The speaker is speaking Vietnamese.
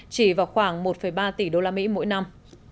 chỉ vào khoảng một ba tỷ đô la mỹ mỗi năm